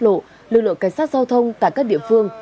lộ lực lượng cảnh sát giao thông tại các địa phương